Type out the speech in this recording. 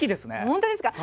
本当ですか！